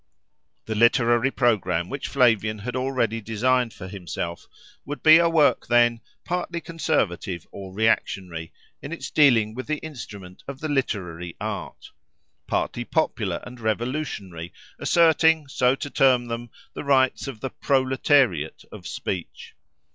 The literary programme which Flavian had already designed for himself would be a work, then, partly conservative or reactionary, in its dealing with the instrument of the literary art; partly popular and revolutionary, asserting, so to term them, the rights of the proletariate of speech.